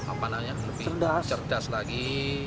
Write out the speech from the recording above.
apa namanya lebih cerdas lagi